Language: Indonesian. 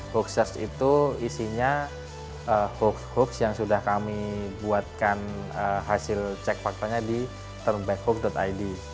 hoax search itu isinya hoax hoax yang sudah kami buatkan hasil cek faktanya di termbackhoop id